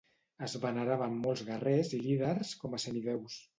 Es veneraven molts guerrers i líders com a semidéus.